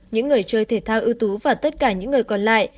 những người chơi thể thao ưu tú và tất cả những người còn lại